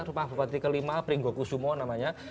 rumah bupati kelima pringgo kusumo namanya